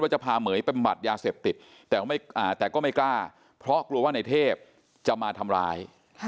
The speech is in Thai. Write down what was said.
จะพาเหม๋ยไปบำบัดยาเสพติดแต่ก็ไม่กล้าเพราะกลัวว่าในเทพจะมาทำร้าย